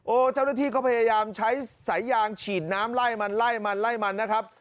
โอ้วเจ้าหน้าที่เขาพยายามใช้ใส่ยางฉีดน้ำไล่มันมันนะครับ